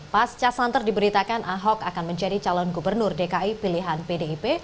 pas casanter diberitakan ahok akan menjadi calon gubernur dki pilihan pdip